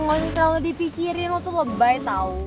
nggak usah terlalu dipikirin lo tuh lebay tau